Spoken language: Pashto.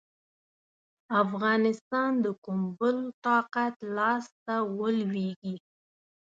افغانستان د کوم بل طاقت لاسته ولوېږي.